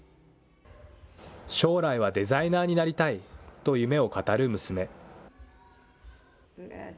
将来はデザイナーになりたいと夢を語る娘。